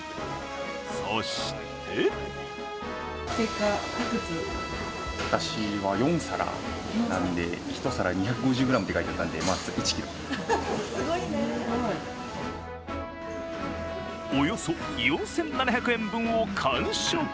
そしておよそ４７００円分を完食。